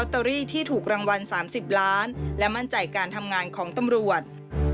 เตอรี่ที่ถูกรางวัล๓๐ล้านและมั่นใจการทำงานของตำรวจ